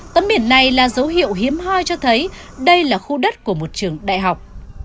tấm biển này là dấu hiệu hiếm hoi cho thấy đây là khu đất của một trường đại học